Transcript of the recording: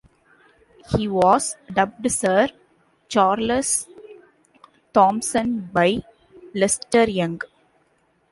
He was dubbed Sir Charles Thompson by Lester Young.